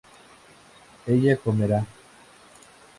ella comerá